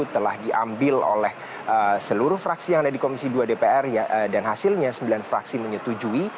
telah diambil oleh seluruh fraksi yang ada di komisi dua dpr dan hasilnya sembilan fraksi menyetujui